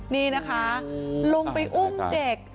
นี่นะคะลงไปอุ้มเด็ก